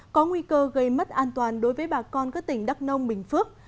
có nguy cơ gây mất an toàn đối với bà con các tỉnh đắk nông bình phước